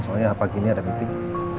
soalnya pagi ini ada meeting